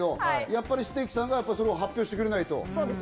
やっぱりステーキさんが、それを発表してくれないと。